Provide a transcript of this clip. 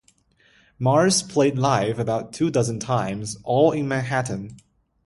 Mars played live about two dozen times, all in Manhattan.